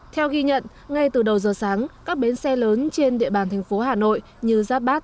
theo ghi nhận ngay từ đầu giờ sáng các bến xe lớn trên địa bàn thành phố hà nội như giáp bát